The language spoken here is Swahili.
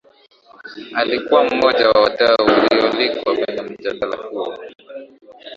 alikuwa mmoja wa wadau wa walioalikwa kwenya mjadala huu